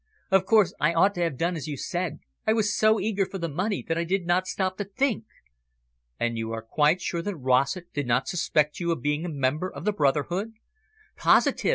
Of course, I ought to have done as you said. I was so eager for the money that I did not stop to think." "And you are quite sure that Rossett did not suspect you of being a member of the brotherhood?" "Positive.